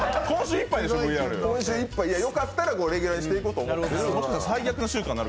よかったらレギュラーにしていこうと思ってる。